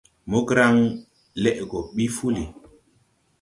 Mograŋ leʼ go ɓi fuli.